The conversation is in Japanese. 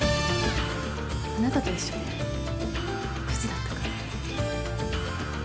あなたと一緒でクズだったから。